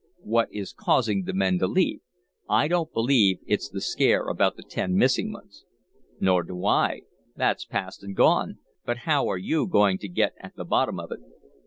"What is causing the men to leave. I don't believe it's the scare about the ten missing ones." "Nor do I. That's past and gone. But how are you going to get at the bottom of it?"